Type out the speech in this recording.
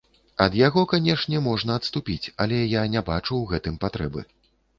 Ад яго, канешне, можна адступіць, але я не бачу ў гэтым патрэбы.